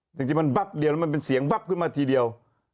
จริงมันบั๊บเดียวเป็นเสียงบั๊บขึ้นมาทีเดียว